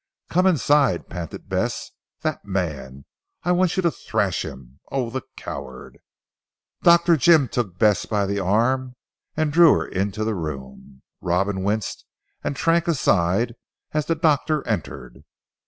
"Come inside," panted Bess, "that man! I want you to thrash him. Oh, the coward!" Dr. Jim took Bess by the arm and drew her into the room. Robin winced and shrank aside as the doctor entered.